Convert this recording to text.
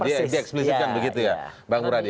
di eksplisifkan begitu ya bang muradya